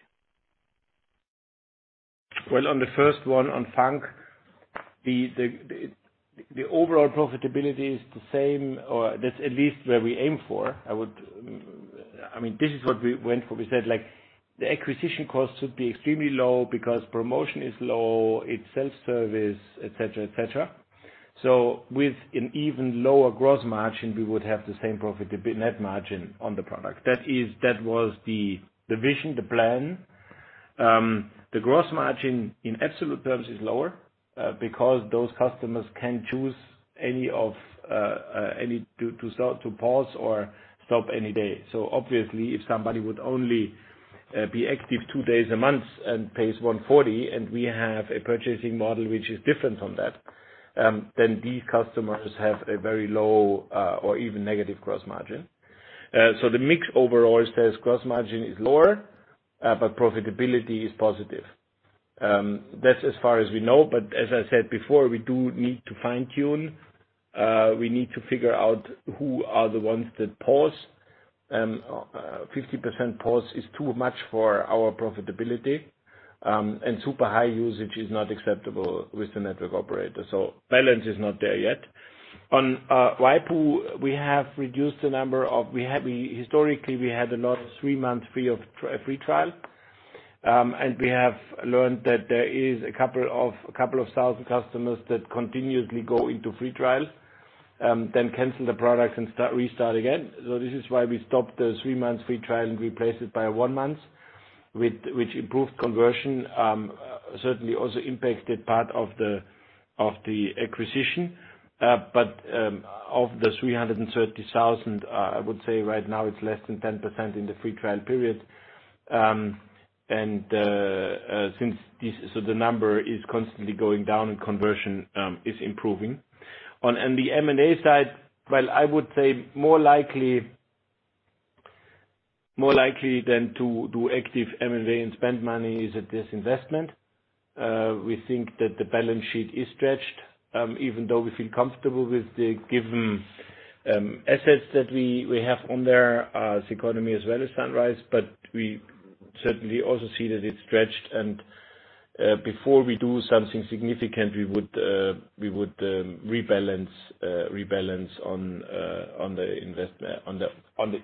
Well, on the first one, on FUNK, the overall profitability is the same, or that's at least where we aim for. This is what we went for. We said the acquisition cost should be extremely low because promotion is low, it's self-service, et cetera. With an even lower gross margin, we would have the same net margin on the product. That was the vision, the plan. The gross margin in absolute terms is lower because those customers can pause or stop any day. Obviously, if somebody would only be active two days a month and pays 140, and we have a purchasing model which is different on that, then these customers have a very low or even negative gross margin. The mix overall says gross margin is lower, but profitability is positive. That's as far as we know. As I said before, we do need to fine-tune. We need to figure out who are the ones that pause. 50% pause is too much for our profitability. Super high usage is not acceptable with the network operator. Balance is not there yet. On waipu, historically we had a lot of three-month free trial. We have learned that there is a couple of thousand customers that continuously go into free trial, then cancel the product and restart again. This is why we stopped the three-month free trial and replaced it by one month, which improved conversion, certainly also impacted part of the acquisition. Of the 330,000, I would say right now it's less than 10% in the free trial period. The number is constantly going down and conversion is improving. On the M&A side, I would say more likely than to do active M&A and spend money is a disinvestment. We think that the balance sheet is stretched, even though we feel comfortable with the given assets that we have on there, Ceconomy as well as Sunrise, but we certainly also see that it's stretched. Before we do something significant, we would rebalance on the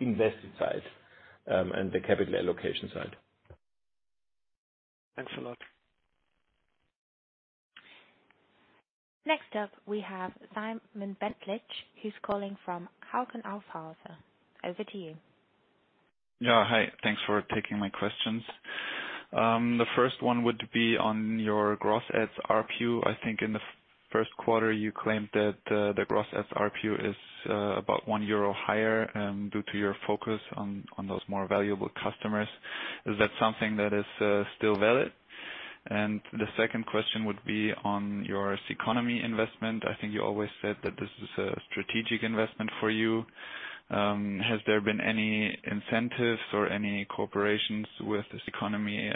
invested side and the capital allocation side. Thanks a lot. Next up we have Simon Bentlage, who's calling from Hauck & Aufhäuser. Over to you. Yeah. Hi. Thanks for taking my questions. The first one would be on your gross adds ARPU. I think in the first quarter you claimed that the gross adds ARPU is about 1 euro higher, due to your focus on those more valuable customers. Is that something that is still valid? The second question would be on your Ceconomy investment. I think you always said that this is a strategic investment for you. Has there been any incentives or any cooperations with Ceconomy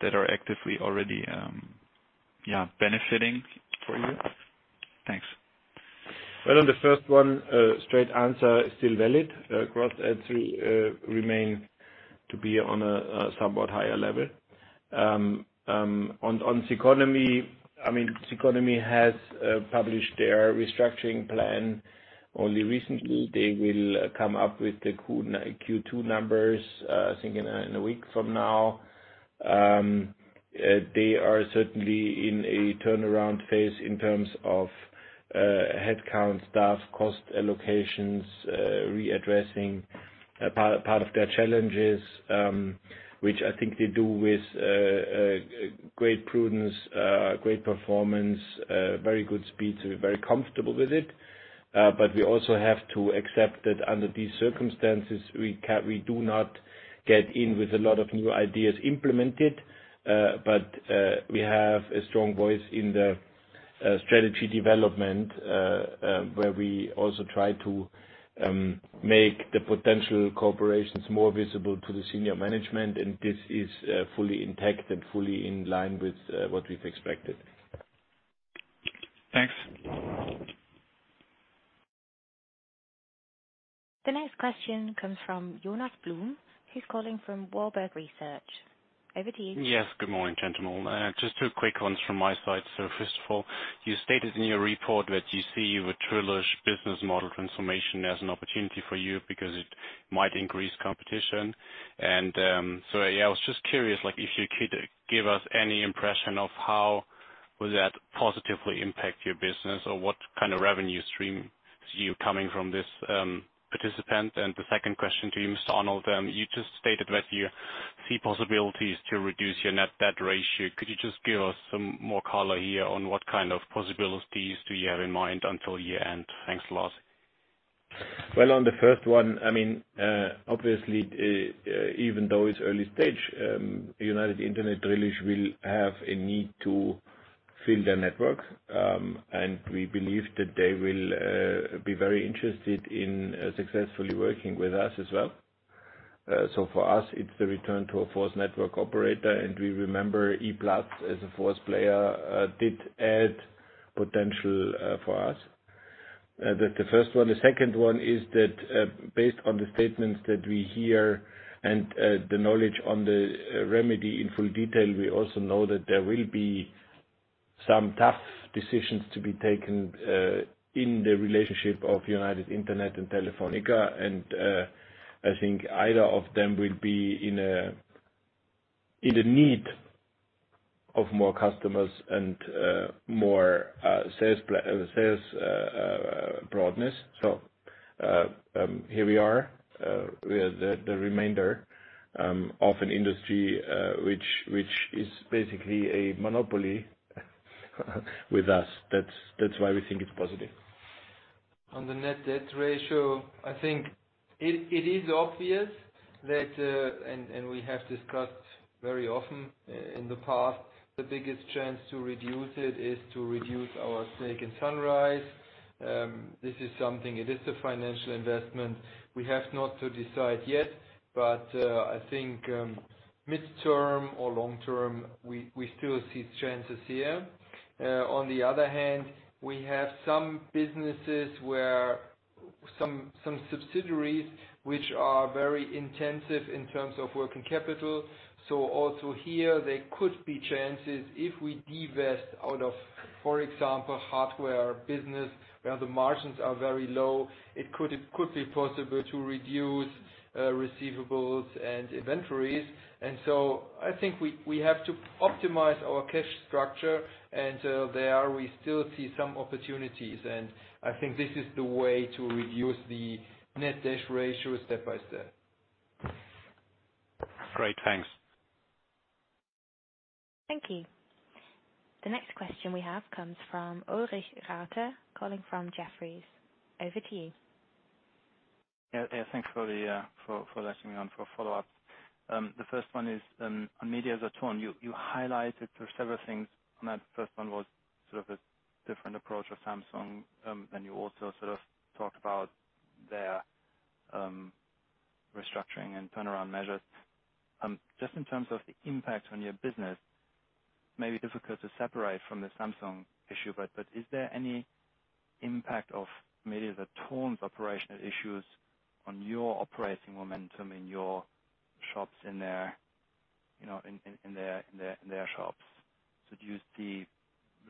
that are actively already benefiting for you? Thanks. Well, on the first one, straight answer, still valid. Gross adds will remain to be on a somewhat higher level. On Ceconomy has published their restructuring plan only recently. They will come up with the Q2 numbers, I think, in a week from now. They are certainly in a turnaround phase in terms of headcount, staff, cost allocations, readdressing part of their challenges, which I think they do with great prudence, great performance, very good speed. We're very comfortable with it. We also have to accept that under these circumstances, we do not get in with a lot of new ideas implemented. We have a strong voice in the strategy development, where we also try to make the potential corporations more visible to the senior management, and this is fully intact and fully in line with what we've expected. Thanks. The next question comes from Jonas Blum. He's calling from Warburg Research. Over to you. Yes. Good morning, gentlemen. Just two quick ones from my side. First of all, you stated in your report that you see the Drillisch business model transformation as an opportunity for you because it might increase competition. I was just curious, if you could give us any impression of how will that positively impact your business, or what kind of revenue stream see you coming from this participant? The second question to you, Mr. Arnold, you just stated that you see possibilities to reduce your net debt ratio. Could you just give us some more color here on what kind of possibilities do you have in mind until year-end? Thanks a lot. Well, on the first one, obviously, even though it's early stage, United Internet Drillisch will have a need to fill their network. We believe that they will be very interested in successfully working with us as well. For us, it's the return to a fourth network operator, and we remember E-Plus as a fourth player, did add potential for us. That's the first one. The second one is that, based on the statements that we hear and the knowledge on the remedy in full detail, we also know that there will be some tough decisions to be taken, in the relationship of United Internet and Telefónica. I think either of them will be in a need of more customers and more sales broadness. Here we are, we are the remainder of an industry, which is basically a monopoly with us. That's why we think it's positive. On the net debt ratio, I think it is obvious that, and we have discussed very often in the past, the biggest chance to reduce it is to reduce our stake in Sunrise. This is something, it is a financial investment. We have not to decide yet, but, I think, mid-term or long-term, we still see chances here. On the other hand, we have some businesses where some subsidiaries which are very intensive in terms of working capital. Also here, there could be chances if we divest out of, for example, hardware business, where the margins are very low, it could be possible to reduce receivables and inventories. I think we have to optimize our cash structure. There, we still see some opportunities, and I think this is the way to reduce the net debt ratio step by step. Great. Thanks. Thank you. The next question we have comes from Ulrich Rathe calling from Jefferies. Over to you. Yeah. Thanks for letting me on for a follow-up. The first one is, on Media-Saturn. You highlighted several things on that. First one was sort of a different approach with Samsung. You also sort of talked about their restructuring and turnaround measures. Just in terms of the impact on your business, maybe difficult to separate from the Samsung issue, but is there any impact of Media-Saturn's operational issues on your operating momentum in your shops, in their shops. Do you see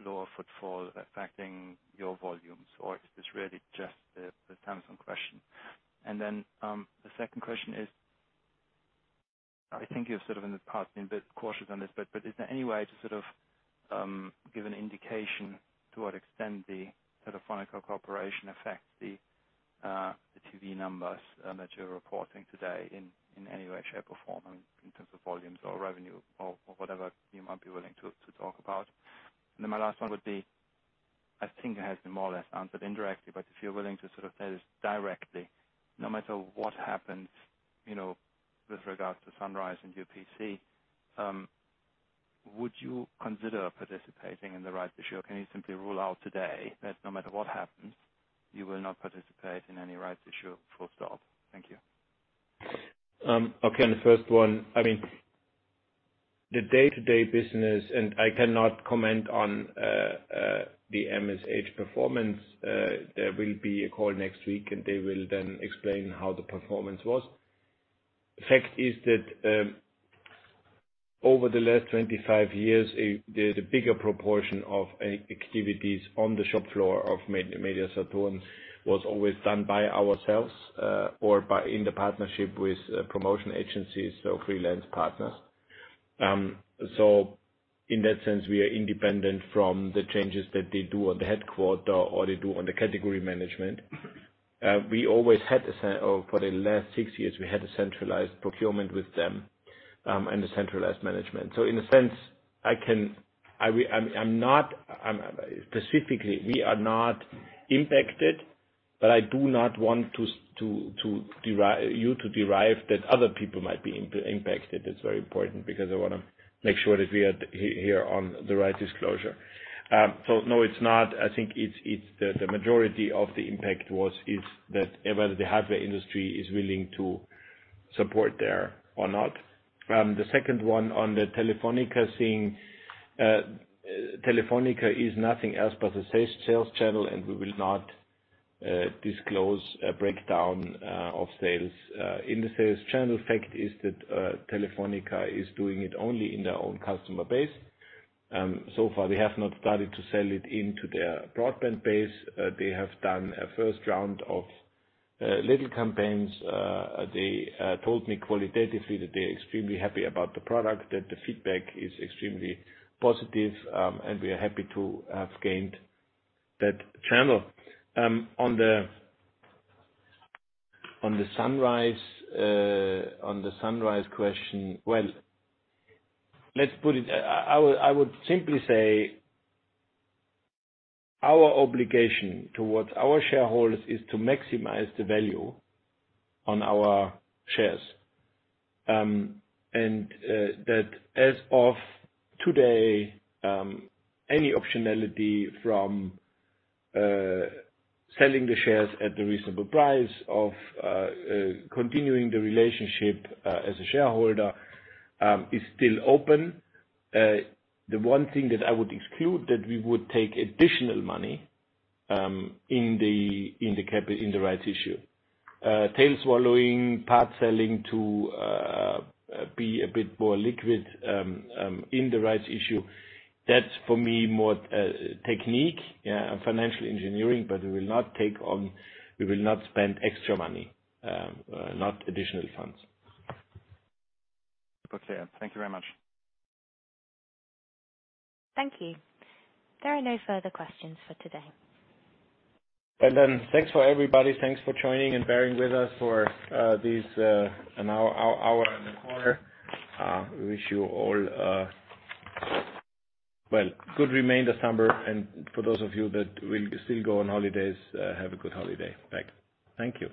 lower footfall affecting your volumes, or is this really just the Samsung question? The second question is, I think you've sort of in the past been a bit cautious on this, but is there any way to sort of give an indication way, shape, or form, in terms of volumes or revenue or whatever you might be willing to talk about? My last one would be, I think it has been more or less answered indirectly, but if you're willing to sort of tell us directly, no matter what happens, with regards to Sunrise and UPC, would you consider participating in the rights issue, or can you simply rule out today that no matter what happens, you will not participate in any rights issue, full stop? Thank you. Okay, on the first one, the day-to-day business. I cannot comment on the MSH performance. There will be a call next week. They will then explain how the performance was. The fact is that over the last 25 years, the bigger proportion of activities on the shop floor of Media-Saturn was always done by ourselves, or in the partnership with promotion agencies or freelance partners. In that sense, we are independent from the changes that they do on the headquarter, or they do on the category management. For the last six years, we had a centralized procurement with them, and a centralized management. In a sense, specifically, we are not impacted, but I do not want you to derive that other people might be impacted. It's very important because I want to make sure that we are here on the right disclosure. No, it's not. I think the majority of the impact is that whether the hardware industry is willing to support there or not. The second one on the Telefónica thing. Telefónica is nothing else but a sales channel, and we will not disclose a breakdown of sales in the sales channel. Fact is that Telefónica is doing it only in their own customer base. So far, they have not started to sell it into their broadband base. They have done a first round of little campaigns. They told me qualitatively that they're extremely happy about the product, that the feedback is extremely positive, and we are happy to have gained that channel. On the Sunrise question, well, I would simply say our obligation towards our shareholders is to maximize the value on our shares. That as of today, any optionality from selling the shares at the reasonable price of continuing the relationship as a shareholder is still open. The one thing that I would exclude, that we would take additional money in the rights issue. Tail swallowing, part selling to be a bit more liquid in the rights issue, that's, for me, more technique and financial engineering, but we will not spend extra money, not additional funds. Super clear. Thank you very much. Thank you. There are no further questions for today. Thanks for everybody. Thanks for joining and bearing with us for this hour and a quarter. We wish you all a good remainder summer, and for those of you that will still go on holidays, have a good holiday. Bye. Thank you.